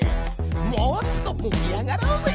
もっともりあがろうぜ！